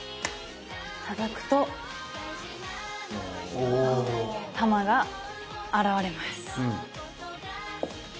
たたくと玉が現れます。